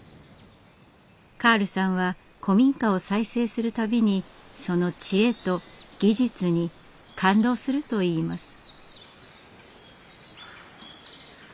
カールさんは古民家を再生する度にその知恵と技術に感動するといいます。